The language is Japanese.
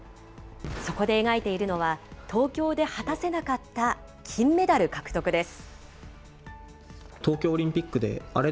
そこで描いているのは、東京で果たせなかった金メダル獲得です。